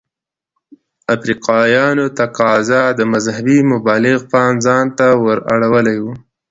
د افریقایانو تقاضا د مذهبي مبلغ پام ځانته ور اړولی و.